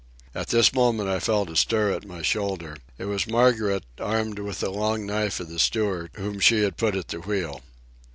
At this moment I felt a stir at my shoulder. It was Margaret, armed with the long knife of the steward, whom she had put at the wheel.